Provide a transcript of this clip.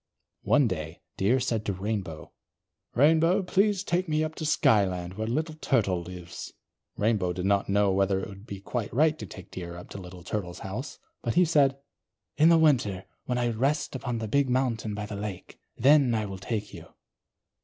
One day, Deer said to Rainbow: "Rainbow, please take me up to Skyland where Little Turtle lives." Rainbow did not know whether it would be quite right to take Deer up to Little Turtle's house, but he said: "In the winter, when I rest upon the big mountain by the lake, then I will take you."